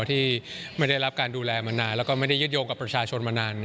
ที่ไม่ได้รับการดูแลมานานแล้วก็ไม่ได้ยึดโยงกับประชาชนมานาน